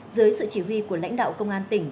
dưới sự chỉ huy của lãnh đạo công an tỉnh